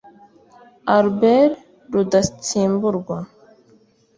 Albert Rudatsimburwa